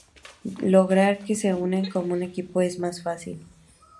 Lograr que se unen como un equipo es más difícil.